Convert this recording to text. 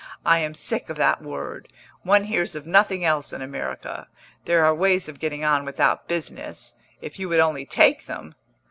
I am sick of that word one hears of nothing else in America. There are ways of getting on without business, if you would only take them!"